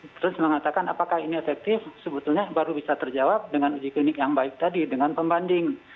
terus mengatakan apakah ini efektif sebetulnya baru bisa terjawab dengan uji klinik yang baik tadi dengan pembanding